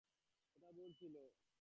এটা ভুল ছিল।